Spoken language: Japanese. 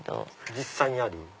実際にある？